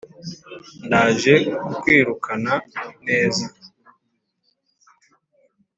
ndaje kukwirukana neza